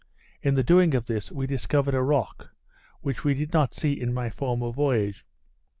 In the doing of this we discovered a rock, which we did not see in my former voyage.